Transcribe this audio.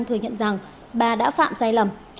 thừa nhận rằng bà đã phạm sai lầm